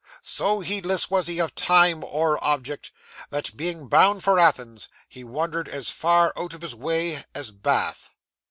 So heedless was he of time or object, that being bound for Athens, he wandered as far out of his way as Bath.